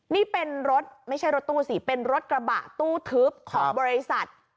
นี่เป็นรถไม่ใช่รถตู้สิเป็นรถกระบะตู้ทึบของบริษัท